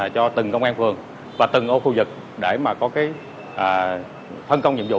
cho từng công an phường và từng ô khu vực để mà có cái phân công nhiệm vụ